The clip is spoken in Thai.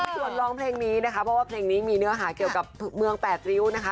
ส่วนร้องเพลงนี้นะคะเพราะว่าเพลงนี้มีเนื้อหาเกี่ยวกับเมืองแปดริ้วนะคะ